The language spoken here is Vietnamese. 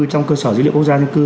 trong cơ sở dữ liệu quốc gia dân cư